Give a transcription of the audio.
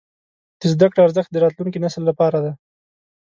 د زده کړې ارزښت د راتلونکي نسل لپاره دی.